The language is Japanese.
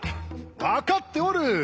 分かっておる！